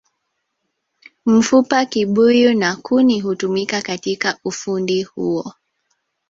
Mfupa kibuyu na kuni hutumika katika ufundi huo